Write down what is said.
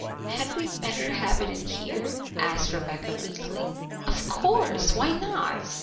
"Had we better have it in here?" asked Rebecca weakly. "Of course! Why not?"